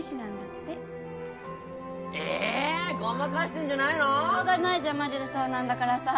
しょうがないじゃんマジでそうなんだからさ。